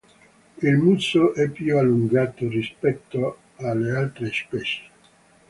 Il muso è più allungato rispetto alle altre specie.